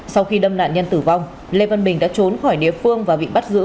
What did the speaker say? sau khi đâm nạn nhân tử vong lê văn bình đã trốn khỏi địa phương và bị bắt giữ